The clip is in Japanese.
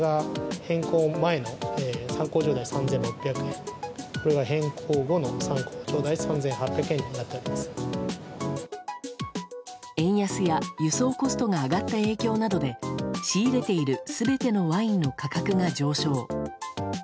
円安や輸送コストが上がった影響などで仕入れている全てのワインの価格が上昇。